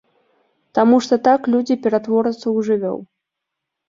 Таму што так людзі ператворацца ў жывёл.